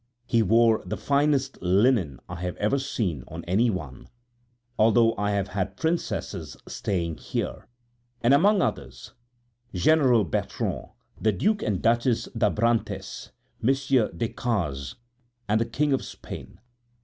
He wore the finest linen I have ever seen on any one, although I have had princesses staying here, and, among others, General Bertrand, the Duke and Duchess d'Abrantés, Monsieur Decazes, and the King of Spain.